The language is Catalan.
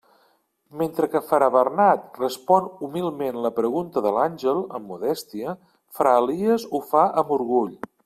Mentre que fra Bernat respon «humilment» la pregunta de l'àngel, amb modèstia, fra Elies ho fa «amb orgull».